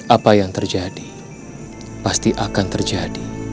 apa yang terjadi pasti akan terjadi